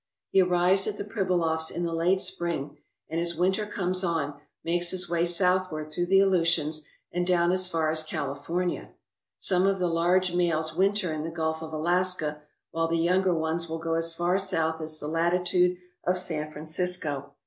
He arrives at the Pribilofs in the late spring, and as winter comes on, makes his way southward through the Aleutians, and down as far as California. Some of the large males winter in the Gulf of Alaska, while the younger ones will go as far south as the latitude of San Francisco.